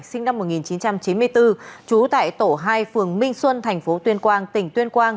sinh năm một nghìn chín trăm chín mươi bốn trú tại tổ hai phường minh xuân tp tuyên quang tỉnh tuyên quang